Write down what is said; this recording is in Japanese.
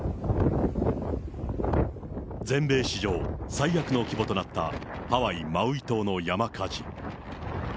全米史上最悪の規模となったハワイ・マウイ島の山火事。